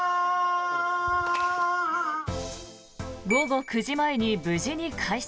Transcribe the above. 午後９時前に無事に開催。